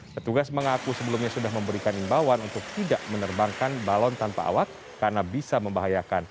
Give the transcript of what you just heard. ketugas mengaku sebelumnya sudah memberikan imbauan untuk tidak menerbangkan balon tanpa awak karena bisa membahayakan